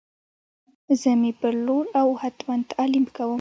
زه می پر لور او هتمن تعلیم کوم